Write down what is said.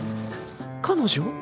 彼女？